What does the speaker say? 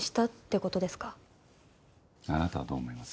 あなたはどう思います？